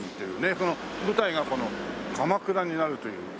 その舞台がこの鎌倉になるという事で。